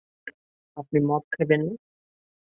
আপনি মদ খাবেন না?